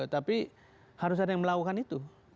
tapi harus ada yang melakukan itu